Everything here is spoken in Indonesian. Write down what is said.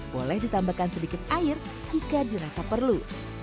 boleh ditambahkan sedikit air jika dirasa perlu